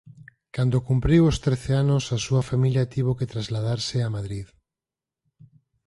Cando cumpriu os trece anos a súa familia tivo que trasladarse a Madrid.